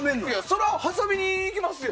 それは挟みに行きますよ。